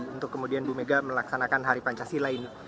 untuk kemudian bumega melaksanakan hari pancasila ini